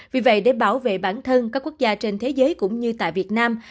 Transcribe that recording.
vì vậy để bảo vệ bản thân các quốc gia trên thế giới cũng như tại việt nam